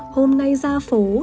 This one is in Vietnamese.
hôm nay ra phố